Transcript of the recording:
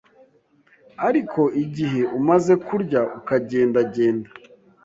Ariko igihe umaze kurya, ukagendagenda,